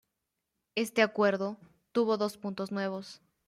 Este acuerdo, tuvo dos puntos nuevos.